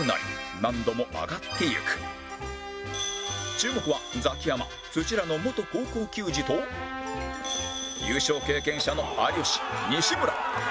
注目はザキヤマらの元高校球児と優勝経験者の有吉西村